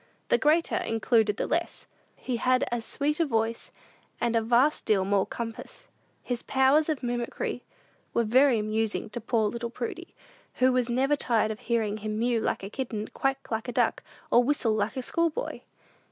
"The greater included the less." He had as sweet a voice, and a vast deal more compass. His powers of mimicry were very amusing to poor little Prudy, who was never tired of hearing him mew like a kitten, quack like a duck, or whistle like a schoolboy.